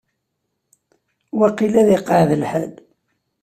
Waqil ad iqeɛɛed lḥal.